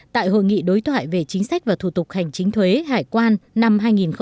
tại hội nghị đối thoại về chính sách và thủ tục hành chính thuế hải quan năm hai nghìn một mươi tám